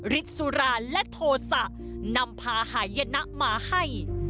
ฤทธิสุราและโทษะนำพาหายนะมาให้